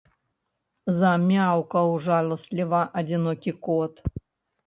Замяўкаў жаласліва адзінокі кот.